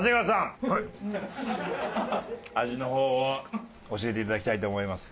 味の方を教えて頂きたいと思います。